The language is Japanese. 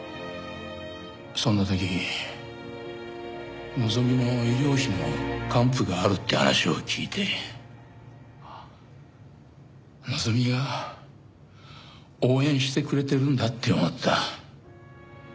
そんな時のぞみの医療費の還付があるって話を聞いてのぞみが応援してくれてるんだって思った。